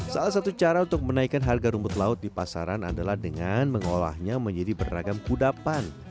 salah satu cara untuk menaikkan harga rumput laut di pasaran adalah dengan mengolahnya menjadi beragam kudapan